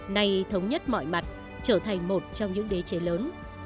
nay thống nhất mọi mặt trở thành một trong những đế chế lớn